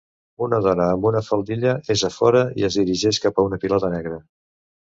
Una dona amb una faldilla és a fora i es dirigeix cap a una pilota negra.